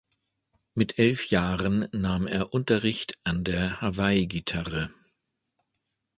Mit elf Jahren nahm er Unterricht an der Hawaii-Gitarre.